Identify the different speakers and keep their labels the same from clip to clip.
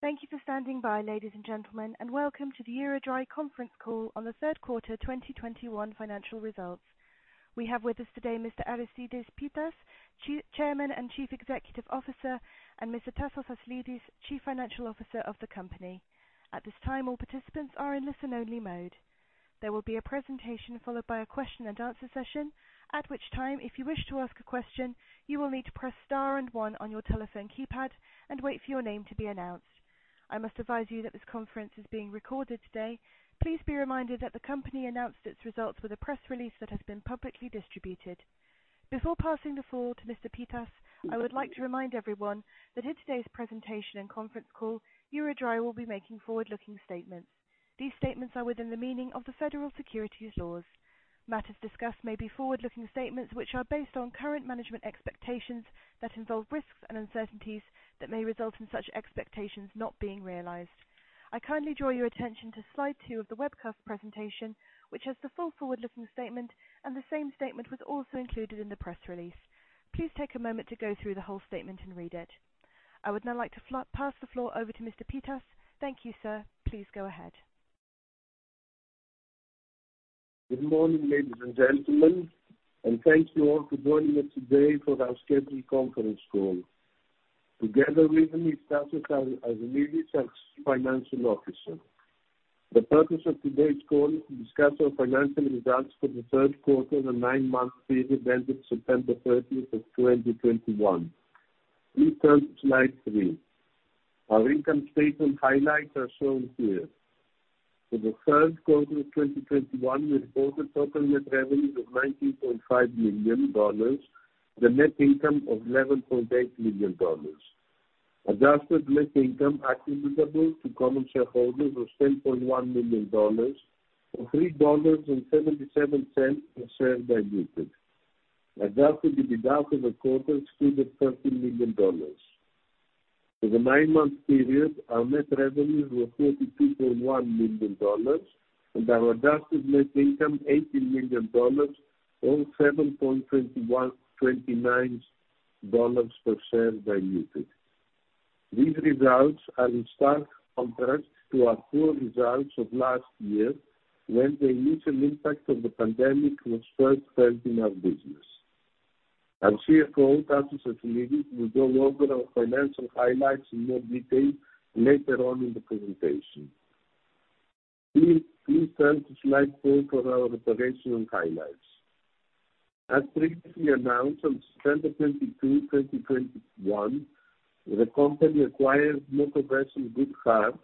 Speaker 1: Thank you for standing by, ladies and gentlemen, and welcome to the EuroDry conference call on the third quarter 2021 financial results. We have with us today Mr. Aristides Pittas, Chairman and Chief Executive Officer, and Mr. Tasos Aslidis, Chief Financial Officer of the company. At this time, all participants are in listen-only mode. There will be a presentation followed by a question and answer session, at which time, if you wish to ask a question, you will need to press star and one on your telephone keypad and wait for your name to be announced. I must advise you that this conference is being recorded today. Please be reminded that the company announced its results with a press release that has been publicly distributed. Before passing the floor to Mr. Pittas, I would like to remind everyone that in today's presentation and conference call, EuroDry will be making Forward-Looking Statements. These statements are within the meaning of the federal securities laws. Matters discussed may be forward-looking statements which are based on current management expectations that involve risks and uncertainties that may result in such expectations not being realized. I kindly draw your attention to slide two of the webcast presentation, which has the full forward-looking statement, and the same statement was also included in the press release. Please take a moment to go through the whole statement and read it. I would now like to pass the floor over to Mr. Pittas. Thank you, sir. Please go ahead.
Speaker 2: Good morning, ladies and gentlemen, and thank you all for joining us today for our scheduled conference call. Together with me is Tasos Aslidis, our Chief Financial Officer. The purpose of today's call is to discuss our financial results for the third quarter and the nine-month period ended September 30, 2021. Please turn to slide three. Our income statement highlights are shown here. For the third quarter of 2021, we reported total net revenues of $19.5 million, the net income of $11.8 million. Adjusted net income attributable to common shareholders was $10.1 million or $3.77 per share diluted. Adjusted EBITDA for the quarter stood at $13 million. For the nine-month period, our net revenues were $42.1 million and our adjusted net income $8.0 million or $0.72 per share diluted. These results are in stark contrast to our poor results of last year when the initial impact of the pandemic was first felt in our business. Our CFO, Tasos Aslidis, will go over our financial highlights in more detail later on in the presentation. Please turn to slide four for our operational highlights. As previously announced, on September 22, 2021, the company acquired motor vessel Good Heart,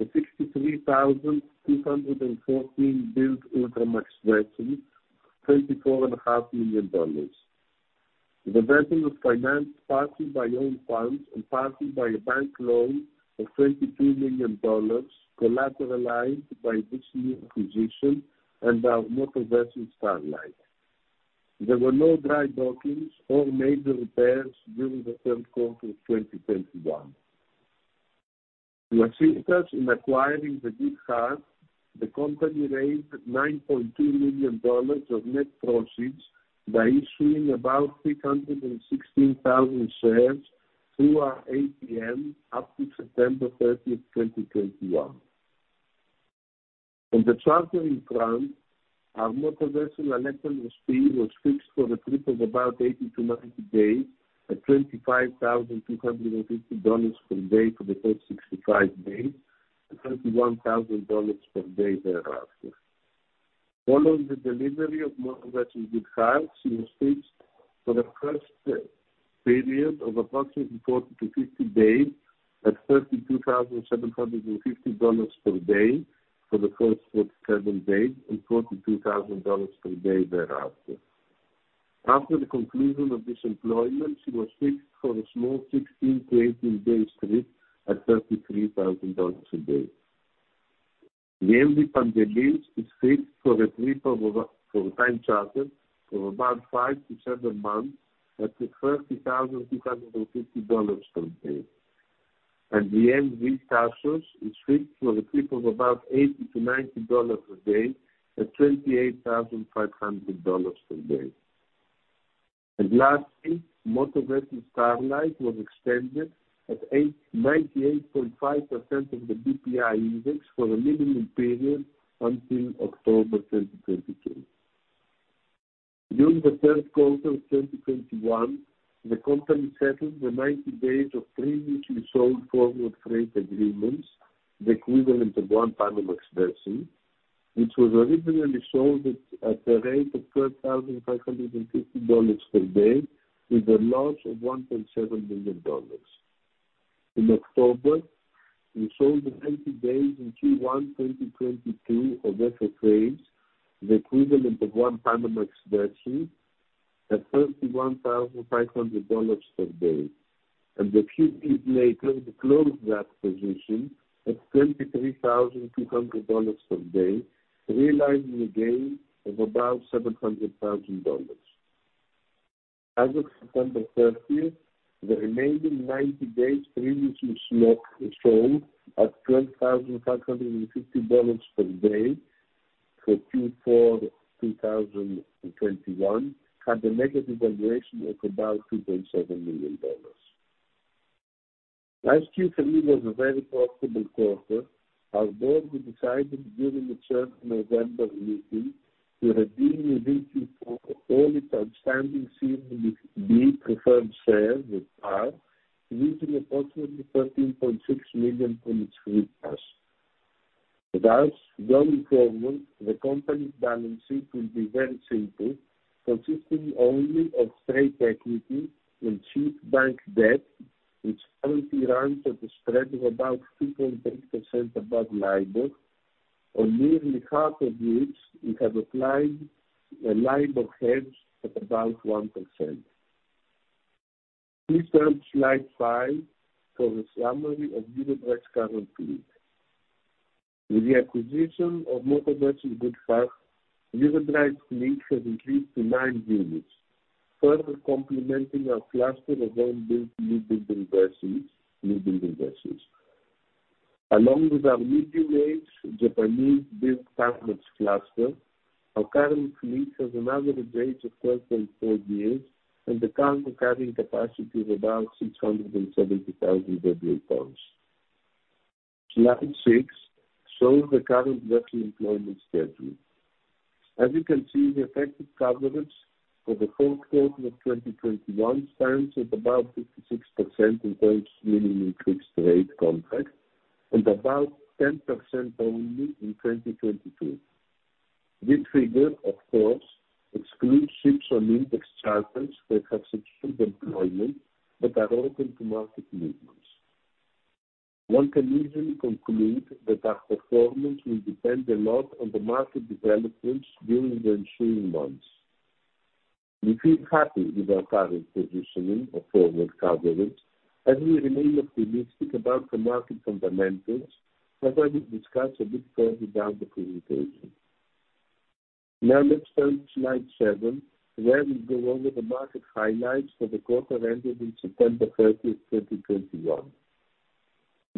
Speaker 2: a 63,214 dwt Ultramax vessel, $34.5 million. The vessel was financed partly by own funds and partly by a bank loan of $32 million collateralized by this new acquisition and our motor vessel Starlight. There were no dry dockings or major repairs during the third quarter of 2021. To assist us in acquiring the Good Heart, the company raised $9.2 million of net proceeds by issuing about 316,000 shares through our ATM up to September 30, 2021. On the chartering front, our motor vessel Ekaterini P was fixed for a trip of about 80-90 days at $25,250 per day for the first 65 days and $31,000 per day thereafter. Following the delivery of motor vessel Good Heart, she was fixed for the first period of approximately 40-50 days at $32,750 per day for the first 37 days and $42,000 per day thereafter. After the conclusion of this employment, she was fixed for a small 16-18 days trip at $33,000 a day. The MV Panteleimon is fixed for a time charter of about 5-7 months at $30,250 per day. The MV Tasos is fixed for a trip of about 80-90 days at $28,500 per day. Lastly, motor vessel Starlight was extended at 98.5% of the BPI index for a minimum period until October 2022. During the third quarter of 2021, the company settled the 90 days of previously sold forward freight agreements, the equivalent of one Panamax vessel, which was originally sold at the rate of $12,550 per day with a loss of $1.7 million. In October, we sold the 90 days in Q1 2022 of FFAs, the equivalent of one Panamax vessel at $31,500 per day. A few days later, we closed that position at $33,200 per day, realizing a gain of about $700,000. As of September 30, the remaining 90 days previously sold at $12,550 per day for Q4 2021 had a negative valuation of about $2.7 million. Last Q3 was a very profitable quarter. Our Board will decide during the 3rd November meeting to redeem its Series B preferred shares at par, releasing approximately $13.6 million from its free cash. Thus, going forward, the company's balance sheet will be very simple, consisting only of straight equity and cheap bank debt, which currently runs at a spread of about 2.3% above LIBOR. On nearly half of which we have applied a LIBOR hedge at about 1%. Please turn to slide five for a summary of EuroDry's current fleet. With the acquisition of Good Heart, EuroDry's fleet has increased to nine units, further complementing our cluster of own-built newbuilding vessels. Along with our medium-age Japanese-built Panamax cluster, our current fleet has an average age of 12.4 years and the current carrying capacity is about 670,000 dwt. Slide six shows the current vessel employment schedule. As you can see, the effective coverage for the full quarter of 2021 stands at about 56% in terms of minimum fixed rate contract and about 10% only in 2022. This figure, of course, excludes ships on index charters that have secured employment but are open to market movements. One can easily conclude that our performance will depend a lot on the market developments during the ensuing months. We feel happy with our current positioning of forward coverage as we remain optimistic about the market fundamentals, as I will discuss a bit further down the presentation. Now let's turn to slide seven, where we go over the market highlights for the quarter ended September 30, 2021.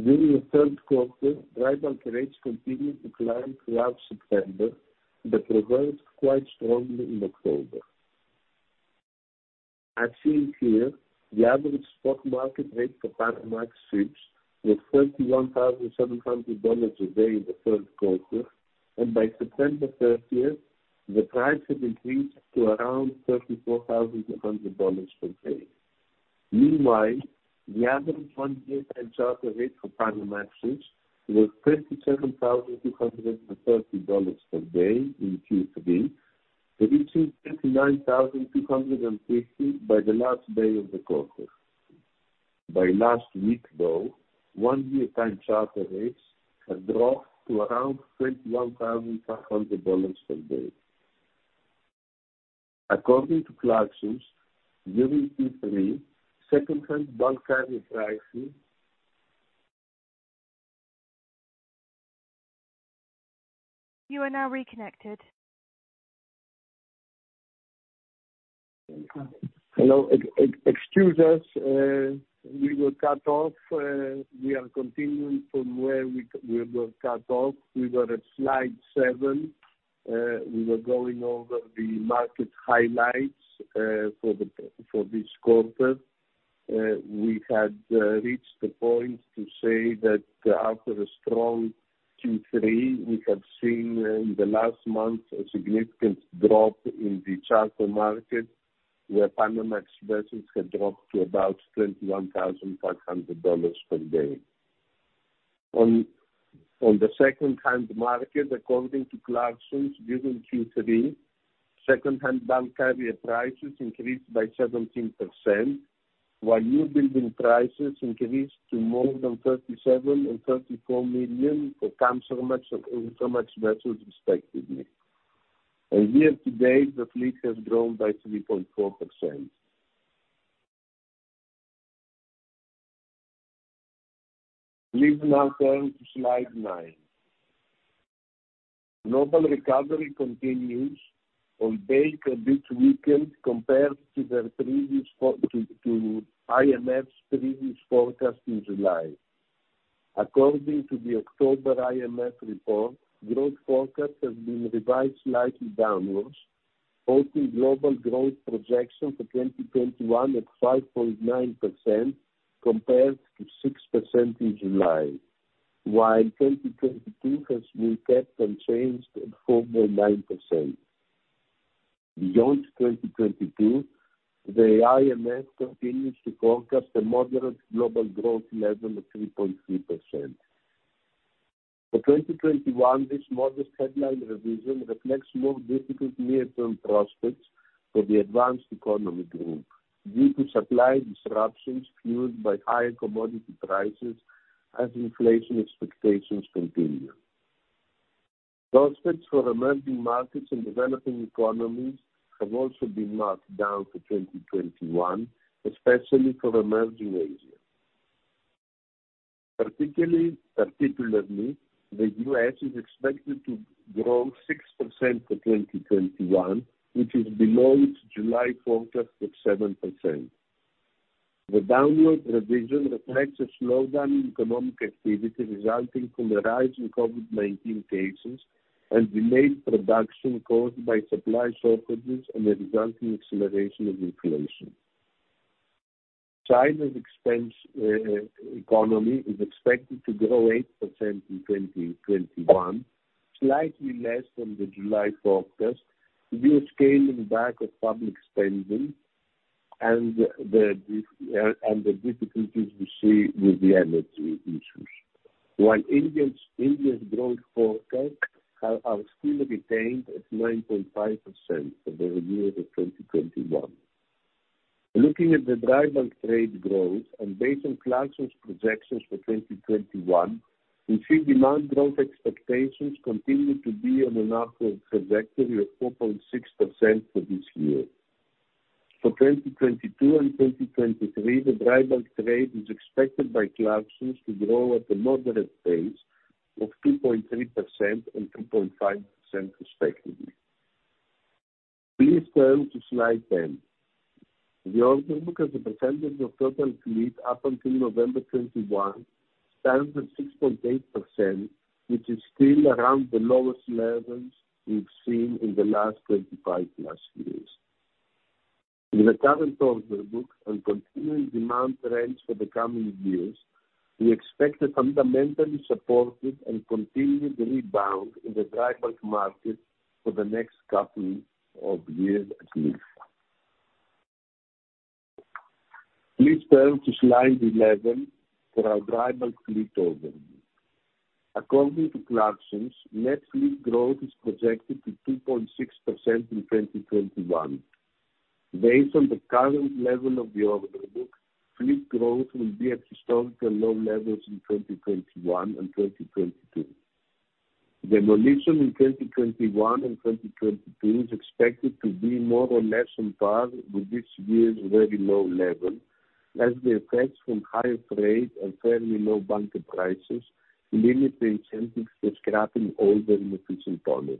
Speaker 2: During the third quarter, dry bulk rates continued to climb throughout September, but reversed quite strongly in October. As seen here, the average spot market rate for Panamax ships was $31,700 a day in the third quarter, and by September 30, the price had increased to around $34,100 per day. Meanwhile, the average one-year time charter rate for Panamax ships was $37,230 per day in Q3, reaching $39,250 by the last day of the quarter. By last week, though, one-year time charter rates had dropped to around $31,500 per day. According to Clarksons, during Q3, secondhand bulk carrier pricing.
Speaker 1: You are now reconnected.
Speaker 2: Hello. Excuse us. We were cut off. We are continuing from where we were cut off. We were at slide seven. We were going over the market highlights for this quarter. We had reached the point to say that after a strong Q3, we have seen in the last month a significant drop in the charter market, where Panamax vessels had dropped to about $31,500 per day. On the second-hand market, according to Clarksons, during Q3, second-hand bulk carrier prices increased by 17%, while newbuilding prices increased to more than $37 million and $34 million for Kamsarmax and Panamax vessels respectively. Year-to-date, the fleet has grown by 3.4%. Please now turn to slide nine. Global recovery continues, albeit a bit weakened compared to the IMF's previous forecast in July. According to the October IMF report, growth forecast has been revised slightly downward, quoting global growth projection for 2021 at 5.9% compared to 6% in July, while 2022 has been kept unchanged at 4.9%. Beyond 2022, the IMF continues to forecast a moderate global growth level of 3.3%. For 2021, this modest headline revision reflects more difficult near-term prospects for the advanced economy group due to supply disruptions fueled by higher commodity prices as inflation expectations continue. Prospects for emerging markets and developing economies have also been marked down for 2021, especially for emerging Asia. Particularly, the U.S. is expected to grow 6% for 2021, which is below its July forecast of 7%. The downward revision reflects a slowdown in economic activity resulting from a rise in COVID-19 cases and delayed production caused by supply shortages and the resulting acceleration of inflation. China's economy is expected to grow 8% in 2021, slightly less than the July forecast due to scaling back of public spending and the difficulties we see with the energy issues. While India's growth forecast are still retained at 9.5% for the year of 2021. Looking at the dry bulk trade growth and based on Clarksons projections for 2021, we see demand growth expectations continuing to be on an upward trajectory of 4.6% for this year. For 2022 and 2023, the dry bulk trade is expected by Clarksons to grow at a moderate pace of 2.3% and 2.5% respectively. Please turn to slide 10. The order book as a percentage of total fleet up until November 2021 stands at 6.8%, which is still around the lowest levels we've seen in the last 25+ years. In the current order book and continuing demand trends for the coming years, we expect a fundamentally supported and continued rebound in the dry bulk market for the next couple of years at least. Please turn to slide 11 for our dry bulk fleet overview. According to Clarksons, net fleet growth is projected to 2.6% in 2021. Based on the current level of the order book, fleet growth will be at historical low levels in 2021 and 2022. Demolition in 2021 and 2022 is expected to be more or less on par with this year's very low level, as the effects from higher freight and fairly low bunker prices limit the incentive for scrapping older, inefficient tonnages.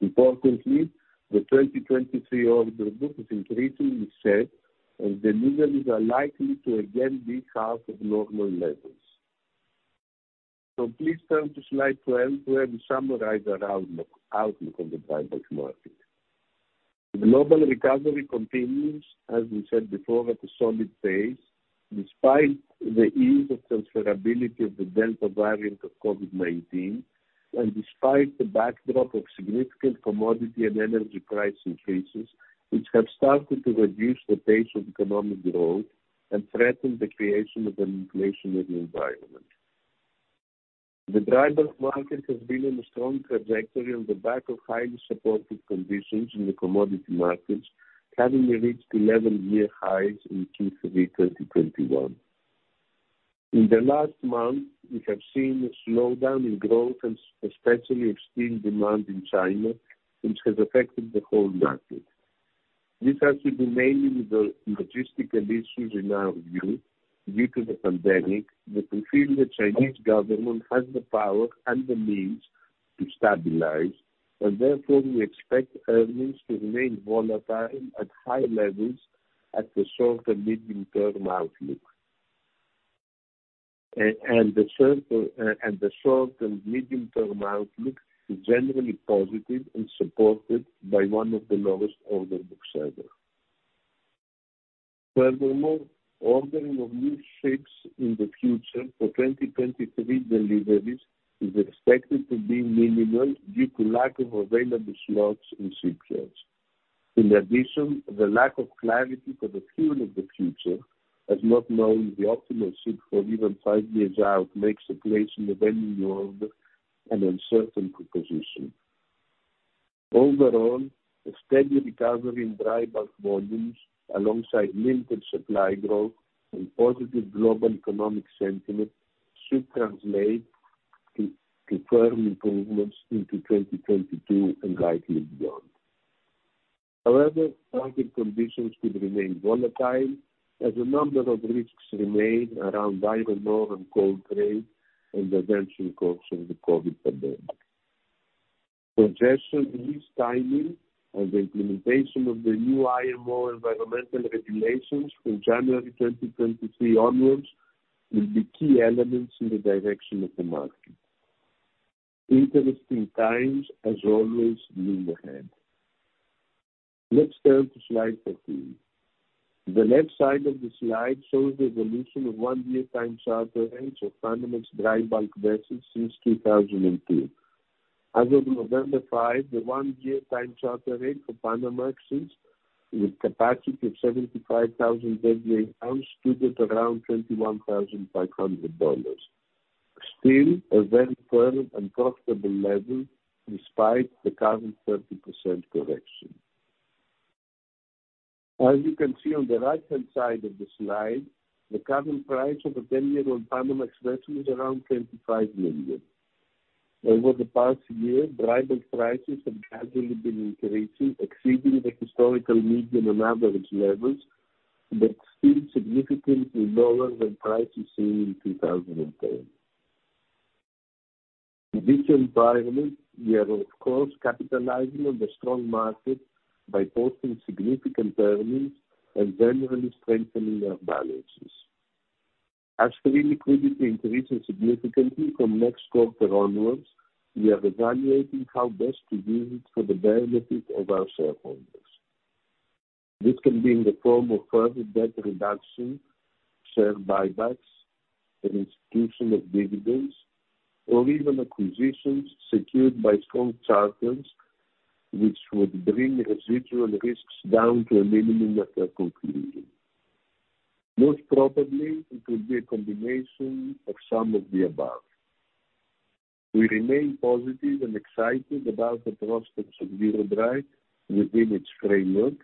Speaker 2: Importantly, the 2023 order book is increasingly set, and deliveries are likely to again be half of normal levels. Please turn to slide 12, where we summarize our outlook on the dry bulk market. The global recovery continues, as we said before, at a solid pace, despite the ease of transferability of the Delta variant of COVID-19, and despite the backdrop of significant commodity and energy price increases, which have started to reduce the pace of economic growth and threaten the creation of an inflationary environment. The dry bulk market has been on a strong trajectory on the back of highly supportive conditions in the commodity markets, having reached 11-year highs in Q3 2021. In the last month, we have seen a slowdown in growth, and especially extreme demand in China, which has affected the whole market. This has to do mainly with the logistical issues in our view, due to the pandemic, but we feel the Chinese government has the power and the means to stabilize, and therefore we expect earnings to remain volatile at high levels in the short- and medium-term outlook. The short- and medium-term outlook is generally positive and supported by one of the lowest order books ever. Furthermore, ordering of new ships in the future for 2023 deliveries is expected to be minimal due to lack of available slots in shipyards. In addition, the lack of clarity for the fuel of the future, as not knowing the optimal ship for even five years out, makes placing a new order an uncertain proposition. Overall, a steady recovery in dry bulk volumes alongside limited supply growth and positive global economic sentiment should translate to firm improvements into 2022 and likely beyond. However, market conditions could remain volatile as a number of risks remain around iron ore and coal trade and the eventual course of the COVID pandemic. Progression in this timing and the implementation of the new IMO environmental regulations from January 2023 onwards will be key elements in the direction of the market. Interesting times as always loom ahead. Let's turn to slide 13. The left side of the slide shows the evolution of one-year time charter rates of Panamax dry bulk vessels since 2002. As of November 5, the one-year time charter rate for Panamax vessels with capacity of 75,000 dwt stood at around $21,500. Still a very firm and profitable level despite the current 30% correction. As you can see on the right-hand side of the slide, the current price of a 10-year-old Panamax vessel is around $25 million. Over the past year, dry bulk prices have gradually been increasing, exceeding the historical median and average levels, but still significantly lower than prices seen in 2010. In this environment, we are of course capitalizing on the strong market by posting significant earnings and generally strengthening our balances. As free liquidity increases significantly from next quarter onwards, we are evaluating how best to use it for the benefit of our shareholders. This can be in the form of further debt reduction, share buybacks, an institution of dividends or even acquisitions secured by strong charters, which would bring residual risks down to a minimum after completing. Most probably it will be a combination of some of the above. We remain positive and excited about the prospects of EuroDry within its framework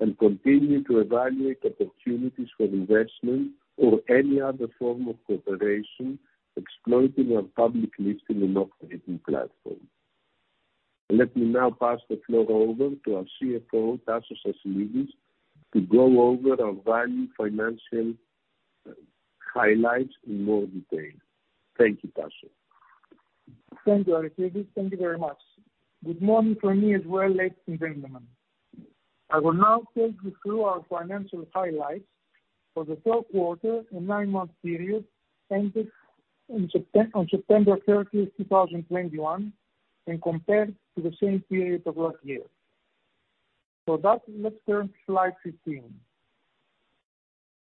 Speaker 2: and continue to evaluate opportunities for investment or any other form of cooperation exploiting our public listing and operating platform. Let me now pass the floor over to our CFO, Tasos Aslidis, to go over our Q1 financial highlights in more detail. Thank you. Tasos.
Speaker 3: Thank you, Aris. Thank you very much. Good morning from me as well, ladies and gentlemen. I will now take you through our financial highlights for the third quarter and nine-month period ended on September 30, 2021, and compared to the same period of last year. For that, let's turn to slide 15.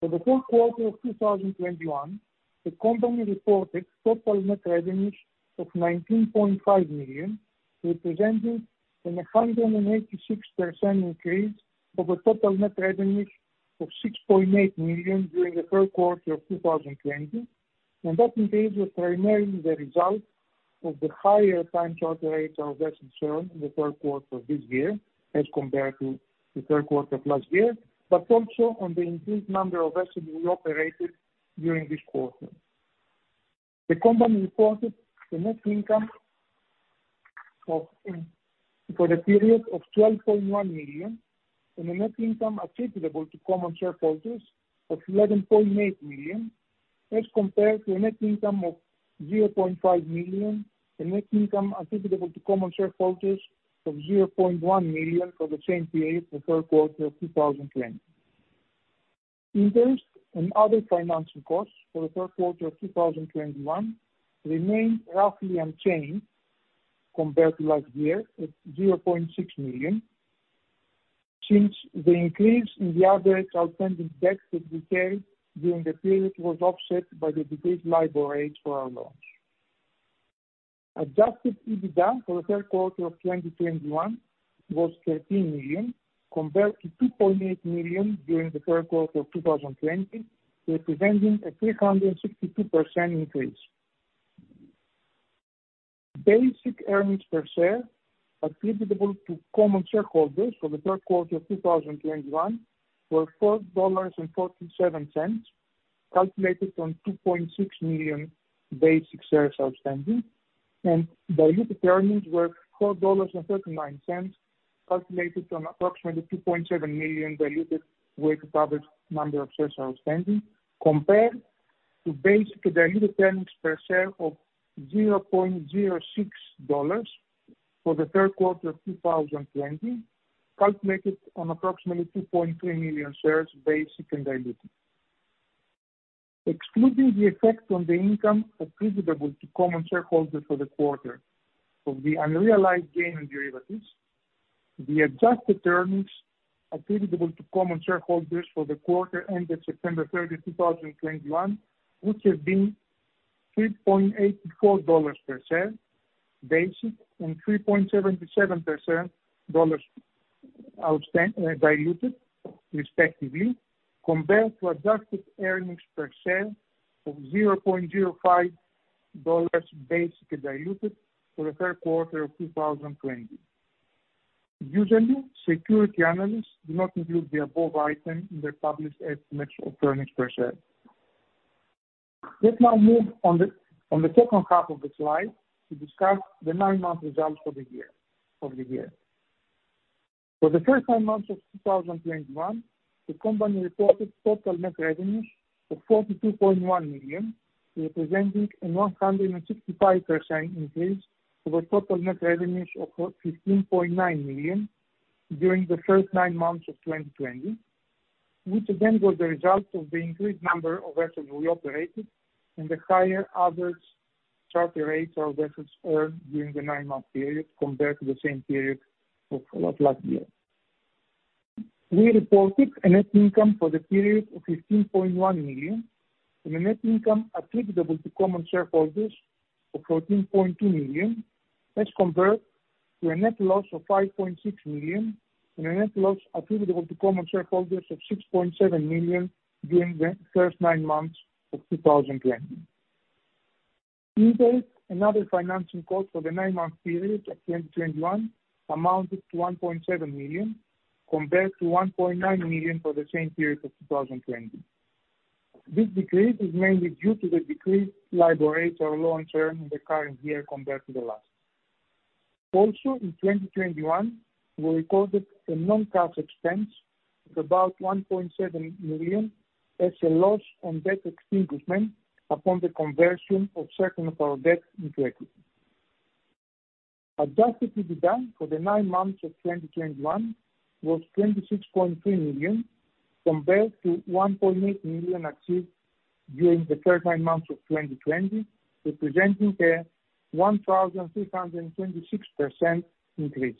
Speaker 3: For the third quarter of 2021, the company reported total net revenues of $19.5 million, representing a 186% increase over total net revenues of $6.8 million during the third quarter of 2020. That increase was primarily the result of the higher time charter rates our vessels earned in the third quarter of this year as compared to the third quarter of last year, but also on the increased number of vessels we operated during this quarter. The company reported a net income of $12.1 million for the period and a net income attributable to common shareholders of $11.8 million, as compared to a net income of $0.5 million and net income attributable to common shareholders of $0.1 million for the same period for third quarter of 2020. Interest and other financing costs for the third quarter of 2021 remained roughly unchanged compared to last year at $0.6 million since the increase in the average outstanding debt that we carried during the period was offset by the decreased LIBOR rate for our loans. Adjusted EBITDA for the third quarter of 2021 was $13 million, compared to $2.8 million during the third quarter of 2020, representing a 362% increase. Basic earnings per share attributable to common shareholders for the third quarter of 2021 were $4.47, calculated on 2.6 million basic shares outstanding. Diluted earnings were $4.39, calculated on approximately 2.7 million diluted weighted average number of shares outstanding, compared to basic and diluted earnings per share of $0.06 for the third quarter of 2020, calculated on approximately 2.3 million shares basic and diluted. Excluding the effect on the income attributable to common shareholders for the quarter from the unrealized gain on derivatives, the adjusted earnings attributable to common shareholders for the quarter ended September 30, 2021, would have been $3.84 per share basic and $3.77 diluted respectively, compared to adjusted earnings per share of $0.05 basic and diluted for the third quarter of 2020. Usually, security analysts do not include the above item in their published estimates of earnings per share. Let's now move on to the second half of the slide to discuss the nine-month results for the year. For the first nine months of 2021, the company reported total net revenues of $42.1 million, representing a 165% increase over total net revenues of $15.9 million during the first nine months of 2020, which again was the result of the increased number of vessels we operated and the higher average charter rates our vessels earned during the nine-month period compared to the same period of last year. We reported a net income for the period of $15.1 million and a net income attributable to common shareholders of $14.2 million, as compared to a net loss of $5.6 million and a net loss attributable to common shareholders of $6.7 million during the first nine months of 2020. Interest and other financing costs for the nine-month period of 2021 amounted to $1.7 million, compared to $1.9 million for the same period of 2020. This decrease is mainly due to the decreased LIBOR rates our loans earned in the current year compared to the last. Also, in 2021, we recorded a non-cash expense of about $1.7 million as a loss on debt extinguishment upon the conversion of certain of our debt into equity. Adjusted EBITDA for the nine months of 2021 was $26.3 million, compared to $1.8 million achieved during the first nine months of 2020, representing a 1,326% increase.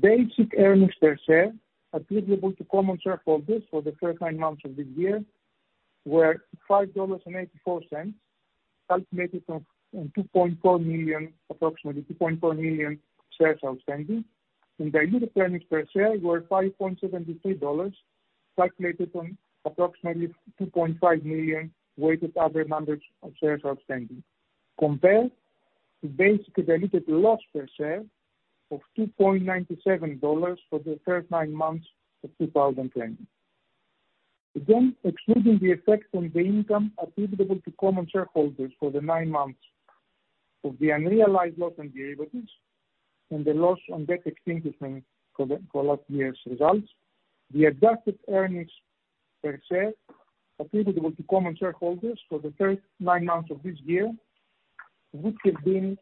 Speaker 3: Basic earnings per share attributable to common shareholders for the first nine months of the year were $5.84, calculated on 2.4 million, approximately 2.4 million shares outstanding. Diluted earnings per share were $5.73, calculated on approximately 2.5 million weighted average number of shares outstanding, compared to basic and diluted loss per share of $2.97 for the first nine months of 2020. Again, excluding the effect on the income attributable to common shareholders for the nine months of the unrealized loss on derivatives and the loss on debt extinguishment for last year's results, the adjusted earnings per share attributable to common shareholders for the first nine months of this year would have been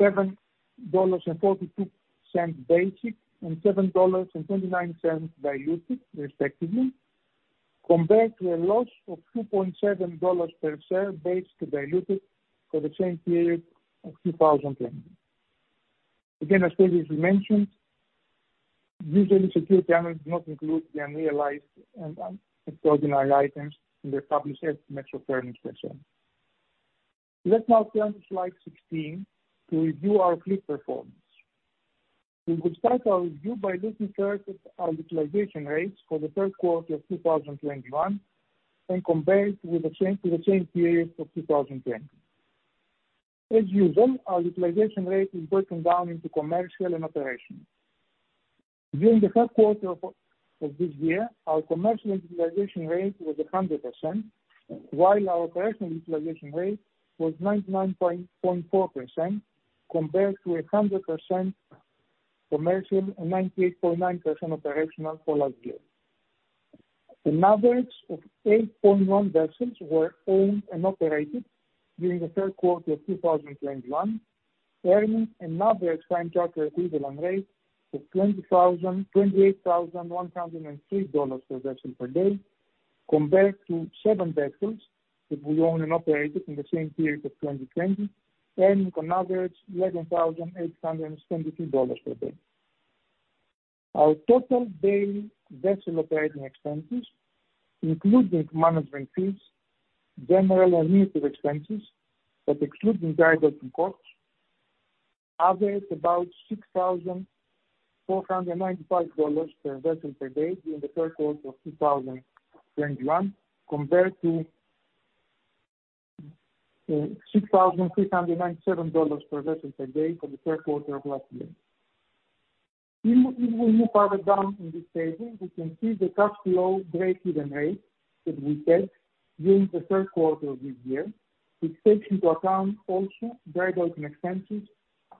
Speaker 3: $7.42 basic, and $7.29 diluted, respectively, compared to a loss of $2.7 per share basic and diluted for the same period of 2020. Again, as previously mentioned, usually security analysts do not include the unrealized extraordinary items in their published estimates for earnings per share. Let's now turn to slide 16 to review our fleet performance. We will start our review by looking first at our utilization rates for the third quarter of 2021 and compare it to the same period of 2020. As usual, our utilization rate is broken down into commercial and operational. During the third quarter of this year, our commercial utilization rate was 100%, while our operational utilization rate was 99.4%, compared to 100% commercial and 98.9% operational for last year. An average of 8.1 vessels were owned and operated during the third quarter of 2021, earning an average time charter equivalent rate of $28,103 per vessel per day, compared to seven vessels that we owned and operated in the same period of 2020, earning an average $11,872 per day. Our total daily vessel operating expenses, including management fees, general and administrative expenses, but excluding drydocking costs, averaged about $6,495 per vessel per day during the third quarter of 2021, compared to $6,397 per vessel per day for the third quarter of last year. If we look further down in this table, we can see the cash flow breakeven rate that we take during the third quarter of this year, which takes into account also drydocking expenses,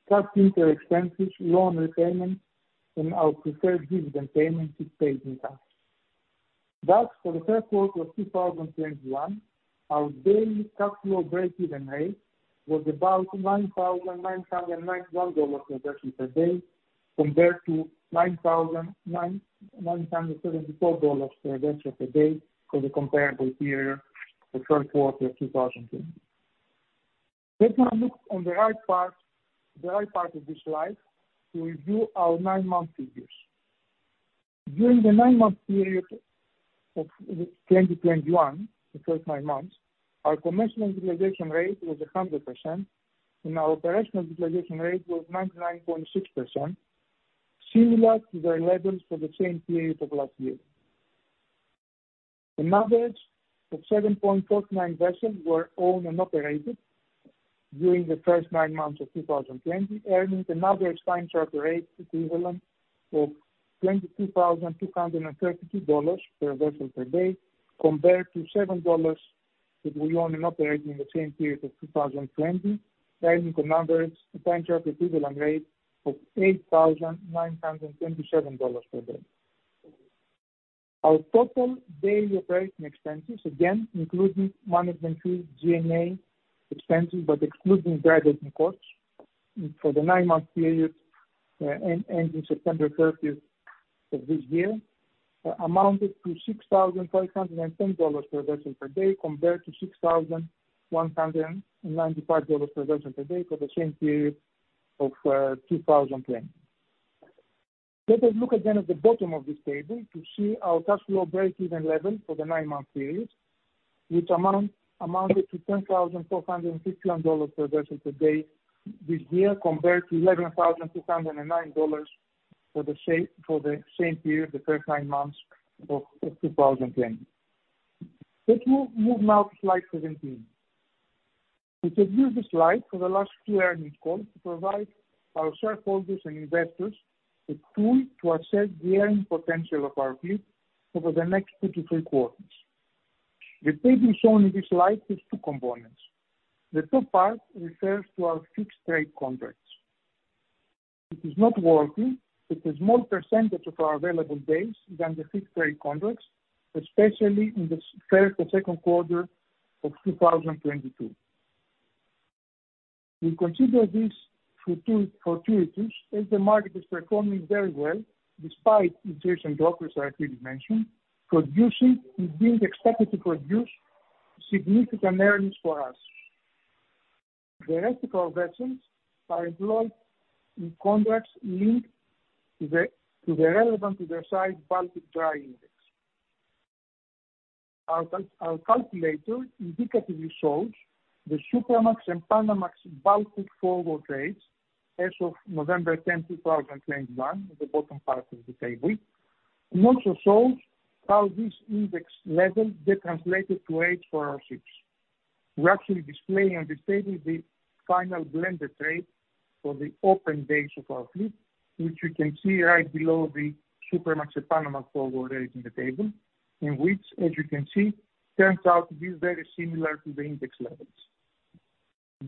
Speaker 3: cash interest expenses, loan repayments, and our preferred dividend payments if paid in cash. Thus, for the third quarter of 2021, our daily cash flow breakeven rate was about $9,991 per vessel per day, compared to $9,974 per vessel per day for the comparable period for third quarter of 2020. Let's now look on the right part of this slide to review our nine-month figures. During the nine-month period of 2021, the first nine months, our commercial utilization rate was 100%, and our operational utilization rate was 99.6%, similar to our levels for the same period of last year. An average of 7.49 vessels were owned and operated during the first nine months of 2021, earning an average time charter rate equivalent of $22,232 per vessel per day, compared to seven vessels that we owned and operated in the same period of 2020, earning an average time charter equivalent rate of $8,927 per day. Our total daily operating expenses, again including management fees, G&A expenses, but excluding drydocking costs for the nine-month period ending September 30 of this year, amounted to $6,510 per vessel per day, compared to $6,195 per vessel per day for the same period of 2020. Let us look again at the bottom of this table to see our cash flow breakeven level for the nine-month period, which amounted to $10,451 per vessel per day this year, compared to $11,209 for the same period, the first nine months of 2020. Let's move now to slide 17. We have used this slide for the last two earnings calls to provide our shareholders and investors a tool to assess the earning potential of our fleet over the next two to three quarters. The table shown in this slide has two components. The top part refers to our fixed rate contracts. It is noteworthy that a small percentage of our available days in the fixed rate contracts, especially in the first or second quarter of 2022. We consider this fortuitous, as the market is performing very well despite the recent drop as I actually mentioned, producing and being expected to produce significant earnings for us. The rest of our vessels are employed in contracts linked to the relevant to their size Baltic Dry Index. Our calculator indicatively shows the Supramax and Panamax Baltic forward rates as of November 10, 2021, at the bottom part of the table, and also shows how this index level get translated to rates for our ships. We actually display on this table the final blended rate for the open days of our fleet, which you can see right below the Supramax and Panamax forward rates in the table, in which, as you can see, turns out to be very similar to the index levels.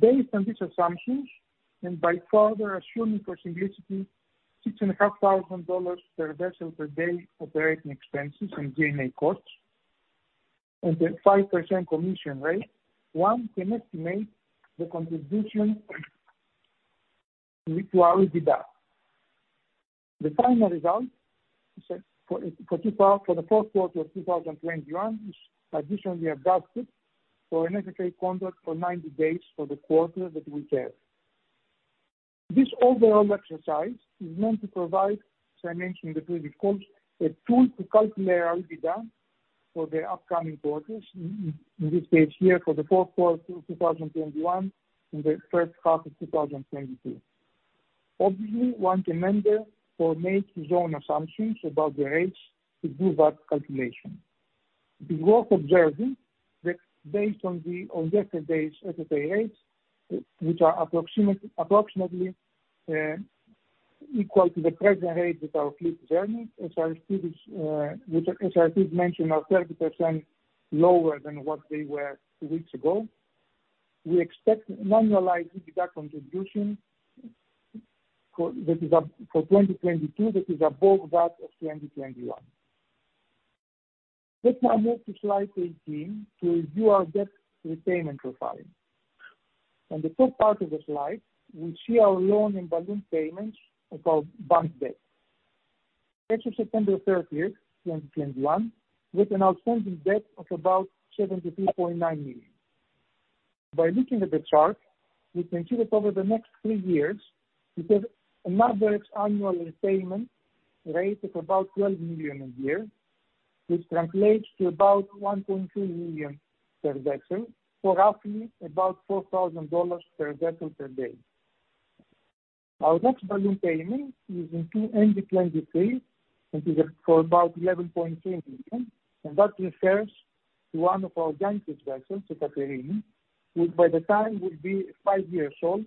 Speaker 3: Based on these assumptions, and by further assuming for simplicity, $6,500 per vessel per day operating expenses and G&A costs, and a 5% commission rate, one can estimate the contribution to our EBITDA. The final result is that for the fourth quarter of 2021 is additionally adjusted for an FFA contract for 90 days for the quarter that we had. This overall exercise is meant to provide, as I mentioned in the previous calls, a tool to calculate our EBITDA for the upcoming quarters in this case here for the fourth quarter of 2021 and the first half of 2022. Obviously, one can remember or make his own assumptions about the rates to do that calculation. It is worth observing that based on yesterday's FFA rates, which are approximately equal to the present rates that our fleet is earning, which as I did mention, are 30% lower than what they were two weeks ago. We expect normalized EBITDA contribution that is up for 2022, that is above that of 2021. Let's now move to slide 18 to review our debt repayment profile. On the first part of the slide, we see our loan and balloon payments of our bank debt. As of September 30, 2021, with an outstanding debt of about $73.9 million. By looking at the chart, we can see that over the next three years, we have an average annual repayment rate of about $12 million a year, which translates to about $1.2 million per vessel for roughly about $4,000 per vessel per day. Our next balloon payment is at the end of 2023, and is for about $11.2 million, and that refers to one of our joint venture vessels, the Ekaterini, which by the time will be five years old,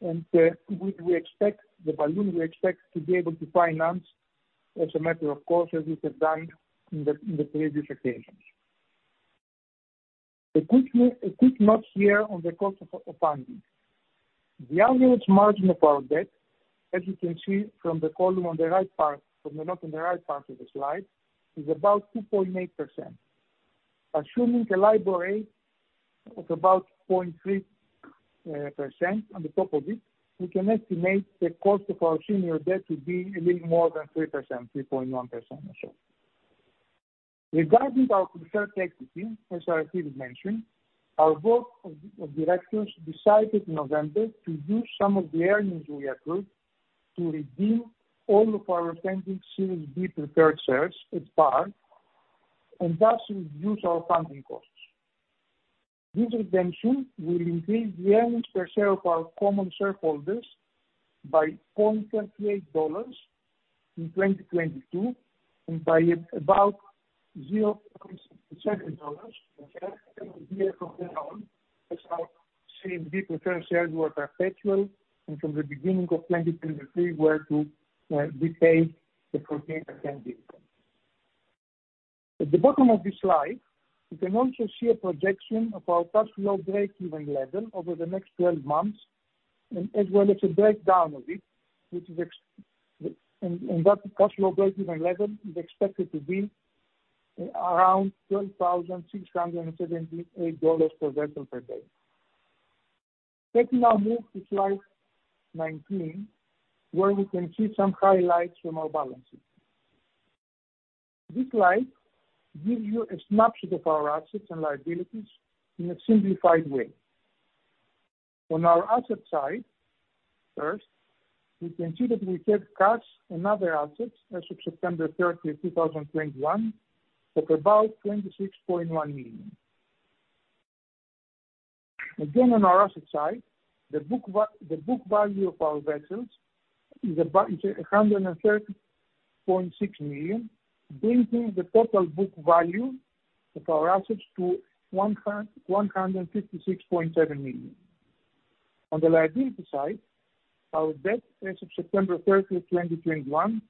Speaker 3: and we expect to be able to finance the balloon as a matter of course, as we have done in the previous occasions. A quick note here on the cost of funding. The average margin of our debt, as you can see from the note on the right part of the slide, is about 2.8%. Assuming a LIBOR rate of about 0.3% on top of it, we can estimate the cost of our senior debt to be a little more than 3%, 3.1% or so. Regarding our preferred equity, as I did mention, our Board of Directors decided in November to use some of the earnings we accrued to redeem all of our outstanding Series B preferred shares at par, and thus reduce our funding costs. This redemption will increase the earnings per share of our common shareholders by $0.28 in 2022 and by about $0.7 per share from then on, as our Series B preferred shares were perpetual and from the beginning of 2023 were to repay the 14% dividend. At the bottom of this slide, you can also see a projection of our cash flow breakeven level over the next 12 months and as well as a breakdown of it. That cash flow breakeven level is expected to be around $12,678 per vessel per day. Moving to slide 19, where we can see some highlights from our balance sheet. This slide gives you a snapshot of our assets and liabilities in a simplified way. On our asset side, first, we can see that we have cash and other assets as of September 30, 2021, at about $26.1 million. Again on our asset side, the book value of our vessels is about $130.6 million, bringing the total book value of our assets to $156.7 million. On the liability side, our debt as of September 30, 2021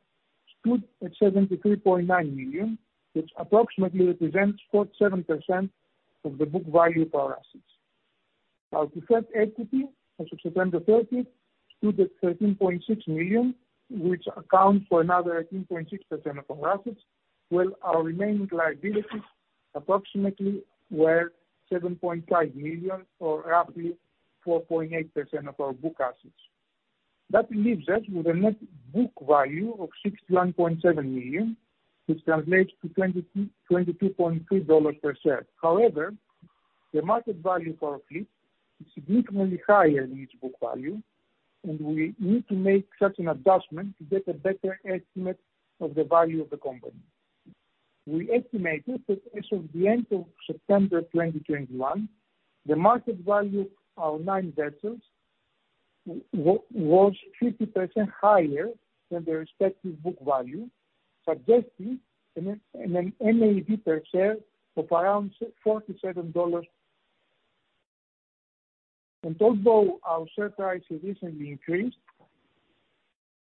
Speaker 3: stood at $73.9 million, which approximately represents 47% of the book value of our assets. Our preferred equity as of September 30 stood at $13.6 million, which accounts for another 18.6% of our assets. While our remaining liabilities approximately were $7.5 million, or roughly 4.8% of our book assets. That leaves us with a net book value of $61.7 million, which translates to $22.3 per share. However, the market value for our fleet is significantly higher than its book value, and we need to make such an adjustment to get a better estimate of the value of the company. We estimated that as of the end of September 2021, the market value of our nine vessels was 50% higher than their respective book value, suggesting an NAV per share of around $47. Although our share price has recently increased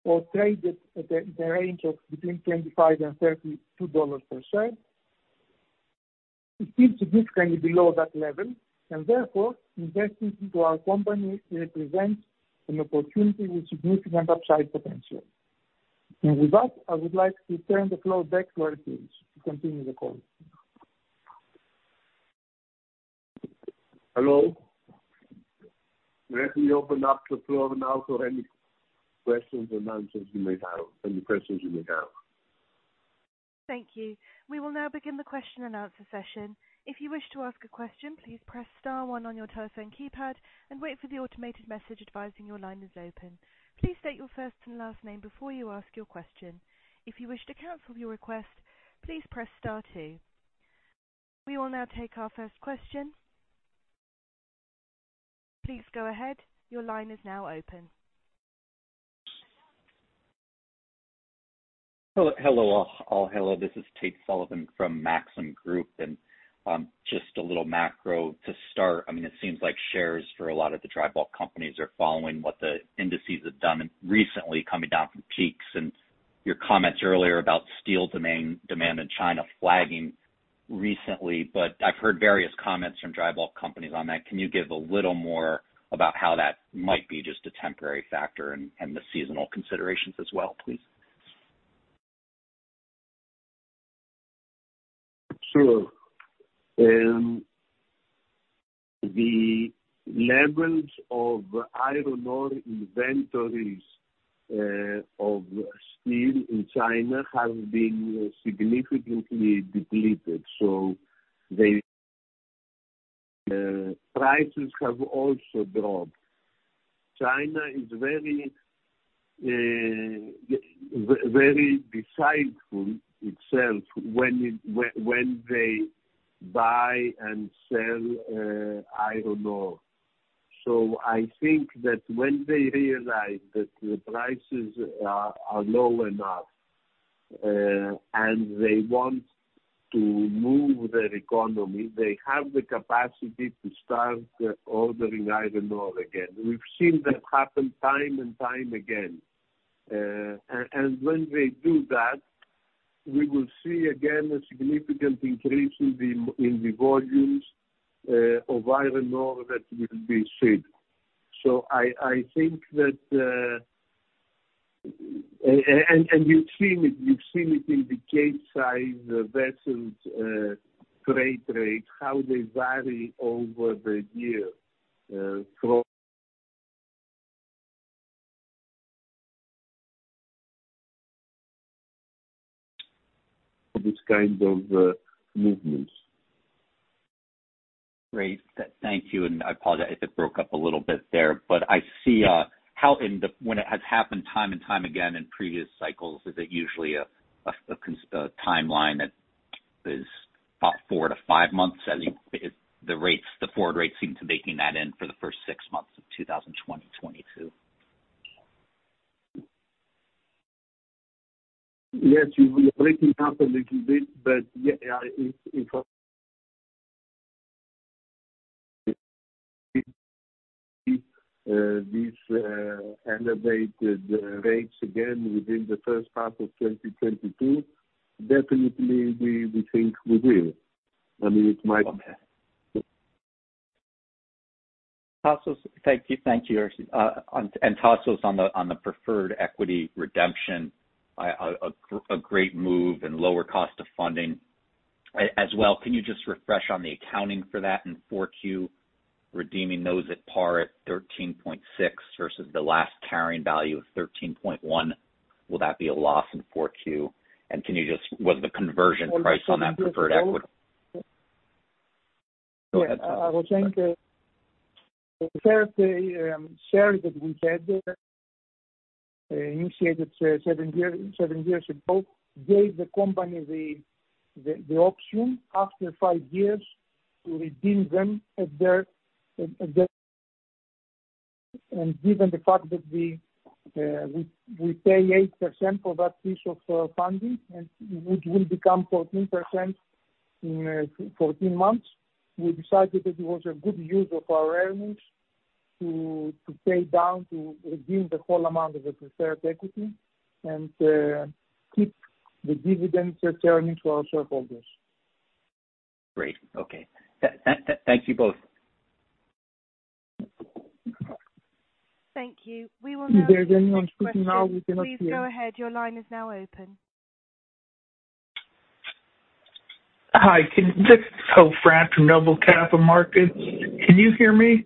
Speaker 3: or traded at a range of between $25 and $32 per share, it seems significantly below that level and therefore investing into our company represents an opportunity with significant upside potential. With that, I would like to turn the floor back to Aristides to continue the call.
Speaker 2: Hello. Let me open up the floor now for any questions or answers you may have.
Speaker 1: Thank you. We will now begin the question and answer session. If you wish to ask a question, please press star one on your telephone keypad and wait for the automated message advising your line is open. Please state your first and last name before you ask your question. If you wish to cancel your request, please press star two. We will now take our first question. Please go ahead. Your line is now open.
Speaker 4: Hello, hello all. Hello, this is Tate Sullivan from Maxim Group. Just a little macro to start. I mean, it seems like shares for a lot of the dry bulk companies are following what the indices have done and recently coming down from peaks. Your comments earlier about steel demand in China flagging recently. I've heard various comments from dry bulk companies on that. Can you give a little more about how that might be just a temporary factor and the seasonal considerations as well, please?
Speaker 2: Sure. The levels of iron ore inventories of steel in China have been significantly depleted. Their prices have also dropped. China is very decisive itself when it, when they buy and sell iron ore. I think that when they realize that the prices are low enough and they want to move their economy, they have the capacity to start ordering iron ore again. We've seen that happen time and time again. And when they do that, we will see again a significant increase in the volumes of iron ore that will be sold. I think that. And you've seen it, you've seen it in the Capesize vessels freight rates, how they vary over the year from this kind of movements.
Speaker 4: Great. Thank you. I apologize it broke up a little bit there, but I see how, when it has happened time and time again in previous cycles, is it usually a timeline that is about four or five months as you. The rates, the forward rates seem to be taking that in for the first six months of 2022.
Speaker 2: Yes, you were breaking up a little bit. Yeah, it these elevated rates again within the first half of 2022. Definitely we think we will. I mean, it might-
Speaker 4: Okay. Thank you, Aristides. And Tasos on the preferred equity redemption, a great move and lower cost of funding. As well, can you just refresh on the accounting for that in 4Q, redeeming those at par at $13.6 versus the last carrying value of $13.1. Will that be a loss in 4Q? And can you just was the conversion price on that preferred equity. Go ahead.
Speaker 3: I was saying the first shares that we had initiated seven years ago gave the company the option after five years to redeem them at their. Given the fact that we pay 8% for that piece of funding, and which will become 14%. In 14 months, we decided that it was a good use of our earnings to pay down to redeem the whole amount of the preferred equity and keep the dividends returning to our shareholders.
Speaker 4: Great. Okay. Thank you both.
Speaker 1: Thank you.
Speaker 2: If there's anyone speaking now, we cannot hear.
Speaker 1: Please go ahead. Your line is now open.
Speaker 5: Hi. This is Poe Fratt from Noble Capital Markets. Can you hear me?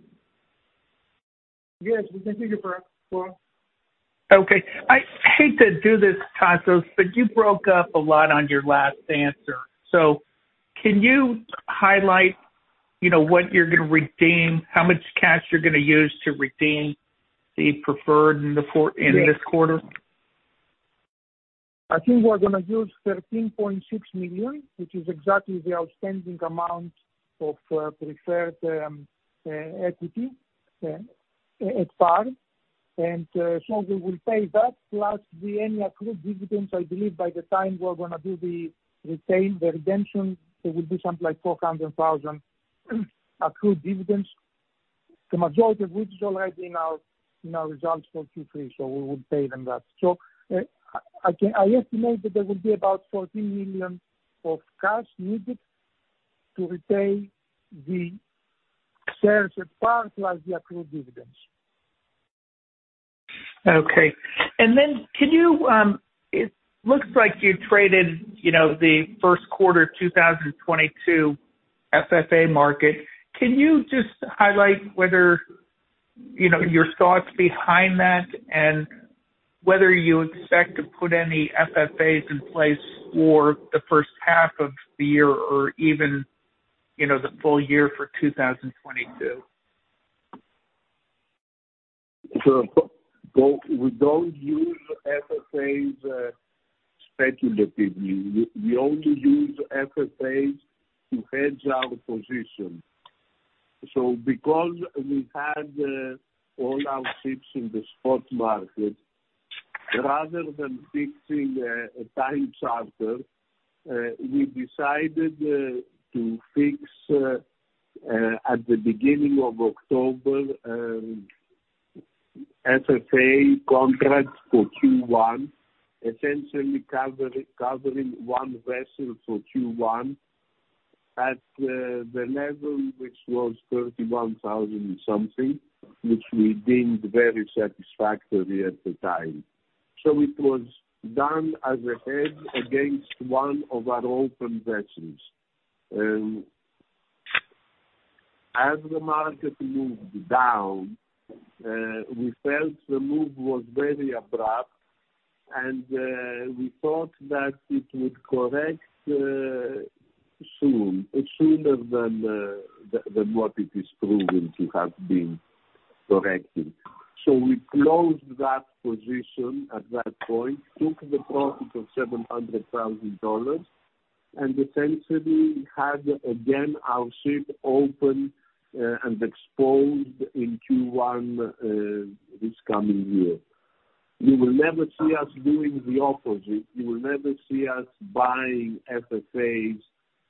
Speaker 3: Yes, we can hear you, Poe.
Speaker 5: Okay. I hate to do this, Tasos, but you broke up a lot on your last answer. Can you highlight, you know, what you're gonna redeem, how much cash you're gonna use to redeem the preferred in this quarter?
Speaker 3: I think we're gonna use $13.6 million, which is exactly the outstanding amount of preferred equity at par. We will pay that plus any accrued dividends. I believe by the time we're gonna do the redemption, it will be something like $400,000 accrued dividends, the majority of which is already in our results for Q3, so we would pay them that. I estimate that there will be about $14 million in cash needed to repay the shares at par plus the accrued dividends.
Speaker 5: Okay. It looks like you traded, you know, the first quarter 2022 FFA market. Can you just highlight whether, you know, your thoughts behind that and whether you expect to put any FFAs in place for the first half of the year or even, you know, the full year for 2022?
Speaker 2: We don't use FFAs speculatively. We only use FFAs to hedge our position. Because we had all our ships in the spot market, rather than fixing a time charter, we decided to fix at the beginning of October FFA contracts for Q1, essentially covering one vessel for Q1 at the level which was $31,000 something, which we deemed very satisfactory at the time. It was done as a hedge against one of our open vessels. As the market moved down, we felt the move was very abrupt and we thought that it would correct sooner than what it is proving to have been corrected. We closed that position at that point, took the profit of $700,000 and essentially had again our ship open, and exposed in Q1, this coming year. You will never see us doing the opposite. You will never see us buying FFAs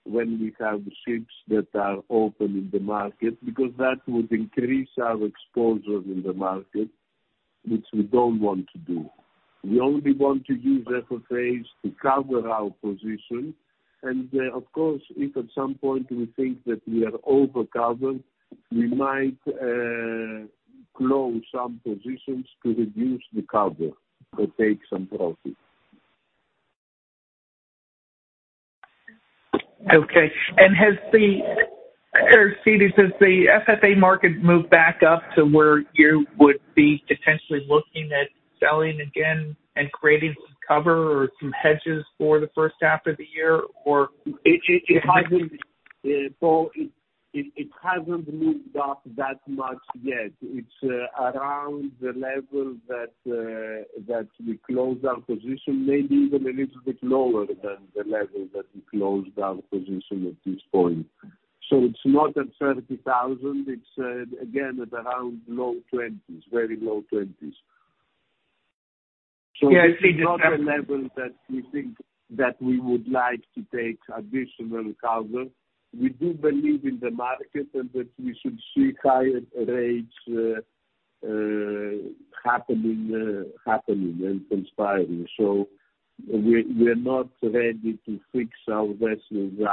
Speaker 2: when we have ships that are open in the market because that would increase our exposure in the market, which we don't want to do. We only want to use FFAs to cover our position. Of course, if at some point we think that we are over-covered, we might close some positions to reduce the cover or take some profit.
Speaker 5: Since the FFA market moved back up to where you would be potentially looking at selling again and creating some cover or some hedges for the first half of the year or-
Speaker 2: It hasn't, Poe, moved up that much yet. It's around the level that we closed our position, maybe even a little bit lower than the level that we closed our position at this point. It's not at $30,000. It's again at around low $20,000s, very low $20,000s.
Speaker 5: Yeah. I see.
Speaker 2: It's not the level that we think that we would like to take additional cover. We do believe in the market and that we should see higher rates happening and continuing. We're not ready to fix our vessels rate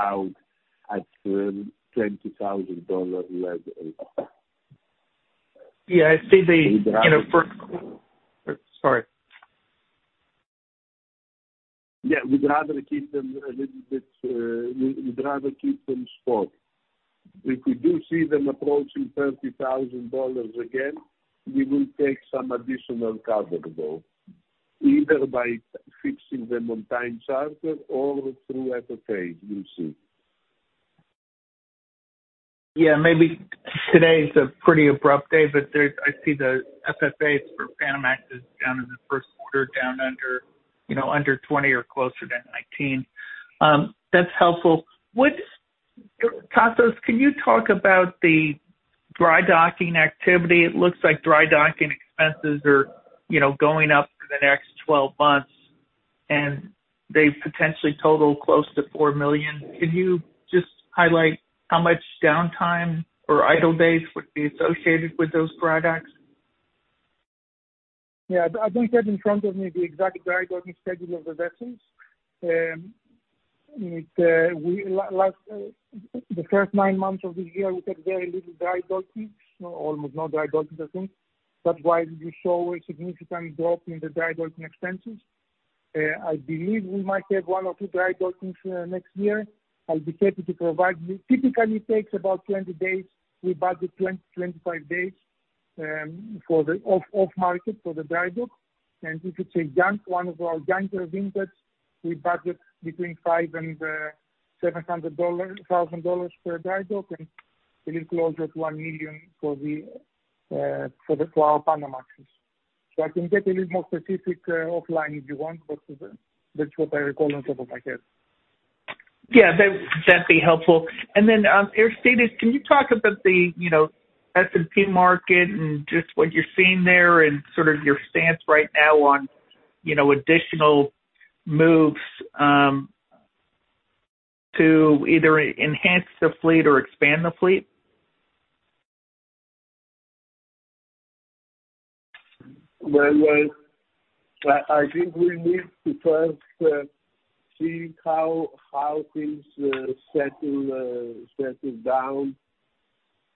Speaker 2: at the $20,000 level.
Speaker 5: Yeah, I see.
Speaker 2: We'd rather keep them.
Speaker 5: You know, sorry.
Speaker 2: Yeah. We'd rather keep them spot. If we do see them approaching $30,000 again, we will take some additional cover though, either by fixing them on time charter or through FFAs. We'll see.
Speaker 5: Yeah. Maybe today is a pretty abrupt day, but there's I see the FFAs for Panamax is down in the first quarter, down under, you know, under $20,000 or closer to $19,000. That's helpful. What, Tasos, can you talk about the dry docking activity? It looks like dry docking expenses are, you know, going up for the next 12 months and they potentially total close to $4 million. Could you just highlight how much downtime or idle days would be associated with those dry docks?
Speaker 3: Yeah. I don't have in front of me the exact dry docking schedule of the vessels. The first nine months of this year, we had very little dry docking. Almost no dry docking, I think. While we show a significant drop in the dry docking expenses, I believe we might have one or two dry dockings next year. I'll be happy to provide you. Typically takes about 20 days. We budget 20-25 days for the off-hire for the dry dock. If it's a young one of our younger vintage, we budget between $500,000 and $700,000 per dry dock. It is closer to $1 million for our Panamax. I can get a little more specific, offline if you want, but that's what I recall on top of my head.
Speaker 5: Yeah, that'd be helpful. Aristides, can you talk about the, you know, S&P market and just what you're seeing there and sort of your stance right now on, you know, additional moves to either enhance the fleet or expand the fleet?
Speaker 2: Well, I think we need to first see how things settle down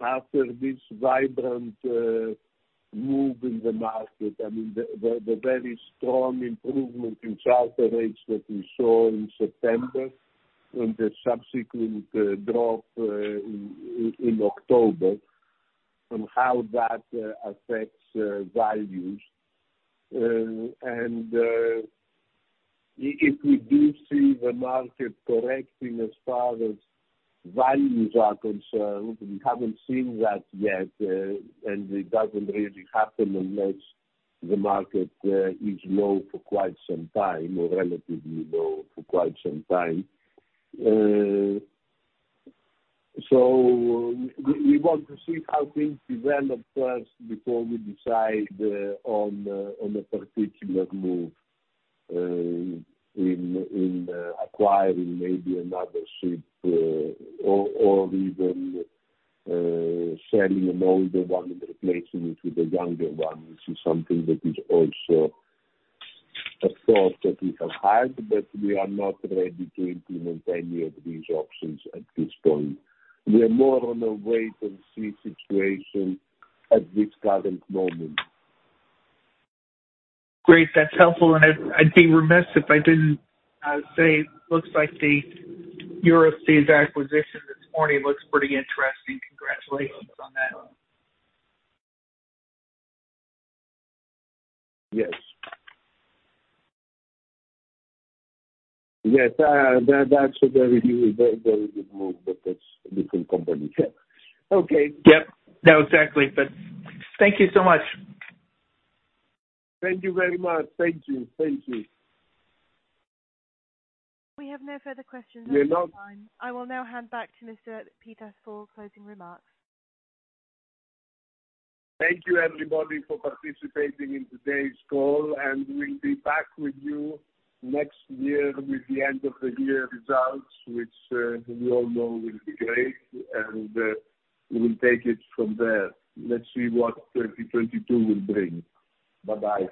Speaker 2: after this vibrant move in the market. I mean, the very strong improvement in charter rates that we saw in September and the subsequent drop in October and how that affects values. If we do see the market correcting as far as values are concerned, we haven't seen that yet, and it doesn't really happen unless the market is low for quite some time or relatively low for quite some time. We want to see how things develop first before we decide on a particular move in acquiring maybe another ship, or even selling an older one and replacing it with a younger one, which is something that is also a thought that we have had, but we are not ready to implement any of these options at this point. We are more on a wait and see situation at this current moment.
Speaker 5: Great. That's helpful. I'd be remiss if I didn't say looks like the Euroseas acquisition this morning looks pretty interesting. Congratulations on that.
Speaker 2: Yes. Yes. That's a very good move, but that's a different company. Okay.
Speaker 5: Yep. No, exactly. Thank you so much.
Speaker 2: Thank you very much. Thank you. Thank you.
Speaker 1: We have no further questions on the line. I will now hand back to Mr. Pittas for closing remarks.
Speaker 2: Thank you, everybody, for participating in today's call, and we'll be back with you next year with the end of the year results, which we all know will be great, and we will take it from there. Let's see what 2022 will bring. Bye-bye.